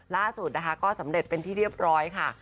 ล่าสุดนะคะก็สำเร็จเป็นที่เรียบร้อยค่ะ